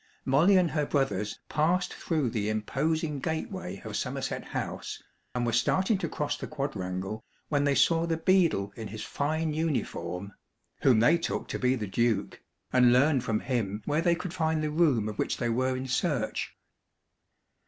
Molly and her brothers passed through the imposing gateway of Somerset House, and were starting to cross the quadrangle, when they saw the Beadle in his fine uniform (whom they took to be the Duke), and learned from him where they could find the room of which they were in search.